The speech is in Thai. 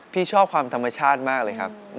พี่ชอบความธรรมชาติมากเลยครับ